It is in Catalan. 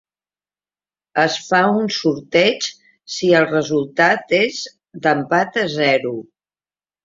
Es fa un sorteig si el resultat és d'empat a zero.